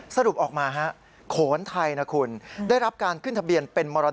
สรุปออกมาโขนไทยนะคุณ